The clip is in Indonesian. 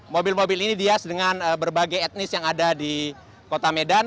mobil mobil ini dihias dengan berbagai etnis yang ada di kota medan